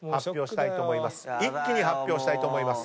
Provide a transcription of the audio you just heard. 一気に発表したいと思います。